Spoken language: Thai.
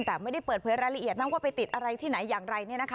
แต่ไม่ได้เปิดเผยรายละเอียดนะว่าไปติดอะไรที่ไหนอย่างไร